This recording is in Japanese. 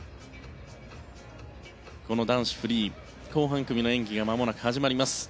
男子フリー後半組の演技がまもなく始まります。